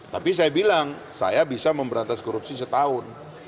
tapi saya bilang saya bisa memberantas korupsi setahun